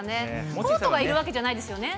コートがいるわけじゃないですよね？